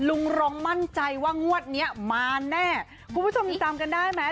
รงมั่นใจว่างวดเนี้ยมาแน่คุณผู้ชมยังจำกันได้ไหม